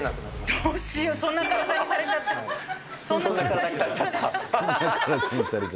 どうしよう、そんな体にされちゃったら。